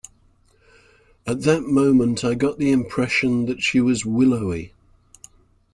At that moment I got the impression that she was willowy.